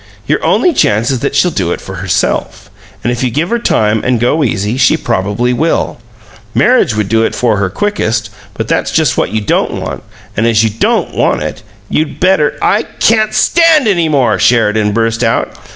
Your only chance is that she'll do it for herself, and if you give her time and go easy she probably will. Marriage would do it for her quickest, but that's just what you don't want, and as you DON'T want it, you'd better " "I can't stand any more!" Sheridan burst out.